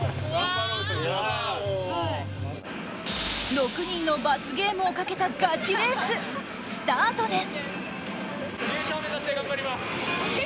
６人の罰ゲームをかけたガチレース、スタートです。